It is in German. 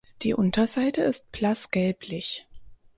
Die Unterseite ist blass gelblich.